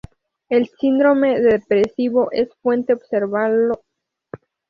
El síndrome depresivo es frecuente observarlo cuando se utilizan dosis moderadas-altas por períodos prolongados.